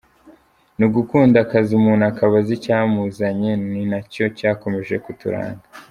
Ni ugukunda akazi umuntu akaba azi icyamuzanye, ni nacyo cyakomeje kuturanga.